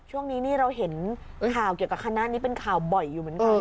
ช่วงนี้นี่เราเห็นข่าวเกี่ยวกับคณะนี้เป็นข่าวบ่อยอยู่เหมือนกัน